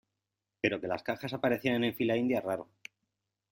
pero que las cajas aparecieran en fila india es raro .